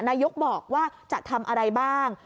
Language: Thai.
นายกบอกว่าจะทำอะไรบ้าง